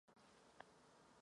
Proto jsem pro to hlasoval.